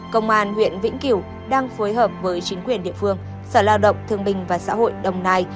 công an huyện vĩnh kiểu đang phối hợp với chính quyền địa phương sở lao động thương bình và xã hội đồng nai